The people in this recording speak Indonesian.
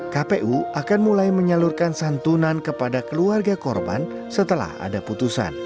kpu akan mulai menyalurkan santunan kepada keluarga korban setelah ada putusan